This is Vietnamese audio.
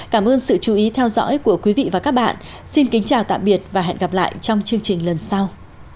cảm ơn sự chú ý theo dõi của quý vị và các bạn xin kính chào tạm biệt và hẹn gặp lại trong chương trình lần sau